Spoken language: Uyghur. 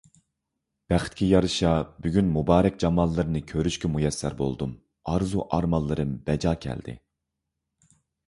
بەختكە يارىشا، بۈگۈن مۇبارەك جاماللىرىنى كۆرۈشكە مۇيەسسەر بولدۇم، ئارزۇ - ئارمانلىرىم بەجا كەلدى.